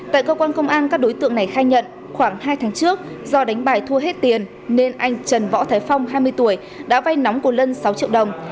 tại cơ quan công an các đối tượng này khai nhận khoảng hai tháng trước do đánh bài thua hết tiền nên anh trần võ thái phong hai mươi tuổi đã vay nóng của lân sáu triệu đồng